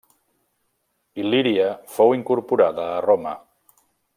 Il·líria fou incorporada a Roma.